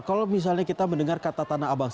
kalau misalnya kita mendengar kata tanah abang